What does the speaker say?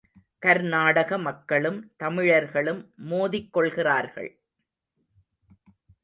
கர்நாடக மக்களும் தமிழர்களும் மோதிக் கொள்கிறார்கள்?